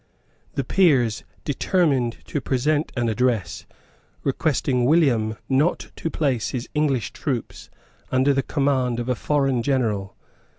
The Peers determined to present an address, requesting William not to place his English troops under the command of a foreign general.